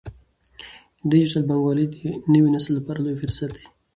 ډیجیټل بانکوالي د نوي نسل لپاره لوی فرصت دی۔